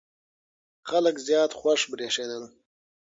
خلک زیات خوښ برېښېدل.